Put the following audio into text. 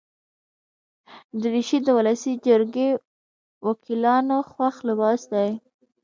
دریشي د ولسي جرګې وکیلانو خوښ لباس دی.